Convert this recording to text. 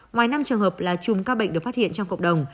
ngoài năm trường hợp là chùm ca bệnh được phát hiện trong cộng đồng